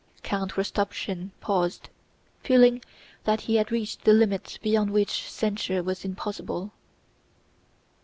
Count Rostopchín paused, feeling that he had reached the limit beyond which censure was impossible.